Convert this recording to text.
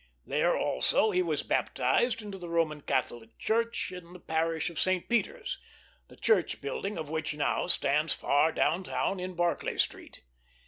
There also he was baptized into the Roman Catholic Church, in the parish of St. Peter's, the church building of which now stands far down town, in Barclay Street.